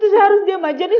saya harus diam aja nih